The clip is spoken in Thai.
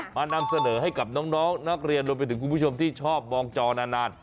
นำเสนอให้กับน้องนักเรียนรวมไปถึงคุณผู้ชมที่ชอบมองจอนาน